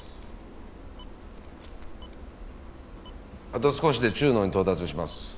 あと少しで中脳に到達します。